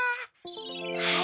はい。